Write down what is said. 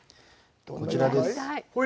こちらです。